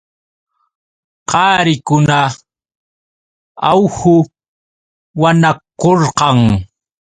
Qarikuna ahuwanakurqan.